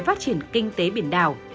phát triển kinh tế biển đảo